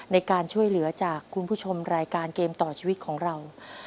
ในการช่วยเหลือจากคุณผู้ชมรายการเกมต่อชีวิตของเรา